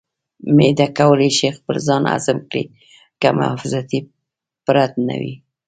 معده کولی شي خپل ځان هضم کړي که محافظتي پرت نه وي.